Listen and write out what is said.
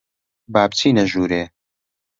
با بچینە ژوورێ.